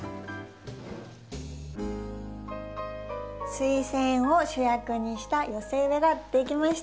スイセンを主役にした寄せ植えが出来ました！